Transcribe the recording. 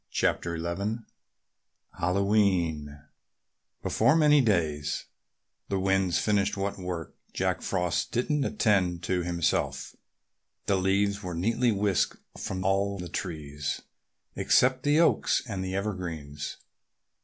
CHAPTER XI HALLOWE'EN Before many days the winds finished what work Jack Frost didn't attend to himself. The leaves were neatly whisked from all the trees except the oaks and the evergreens.